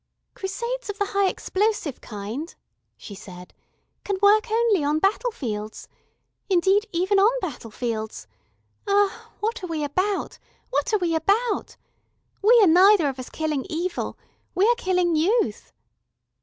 "Crusades of the high explosive kind," she said, "can work only on battle fields. Indeed, even on battle fields ah, what are we about, what are we about? We are neither of us killing Evil, we are killing youth...."